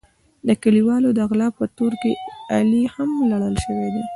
د کلیوالو د غلا په تور کې علي هم لړل شوی دی.